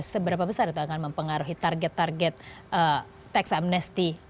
seberapa besar itu akan mempengaruhi target target tax amnesty